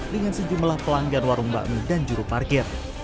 dengan sejumlah pelanggan warung bakmi dan juru parkir